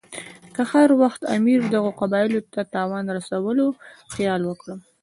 که هر وخت امیر دغو قبایلو ته د تاوان رسولو خیال وکړي.